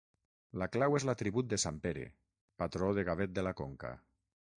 La clau és l'atribut de sant Pere, patró de Gavet de la Conca.